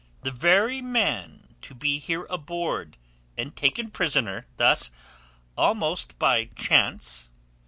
"The very man to be here aboard, and taken prisoner thus, almost by chance...."